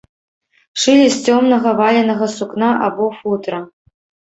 Шылі з цёмнага валенага сукна або футра.